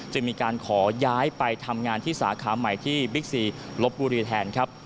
จึงมีการขอย้ายไปทำงานที่สาขาใหม่ที่บิ๊กซีลบบุรีแทนครับ